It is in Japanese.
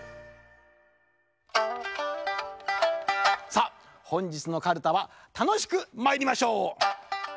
さあほんじつのかるたはたのしくまいりましょう。